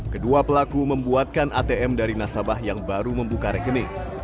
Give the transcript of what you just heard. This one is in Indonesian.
kedua pelaku membuatkan atm dari nasabah yang baru membuka rekening